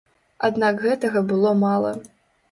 Аднак гэтага было мала.